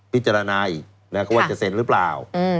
พิจารณาอีกว่าจะเซ็นหรือเปล่า